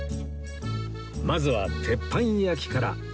まずは鉄板焼きから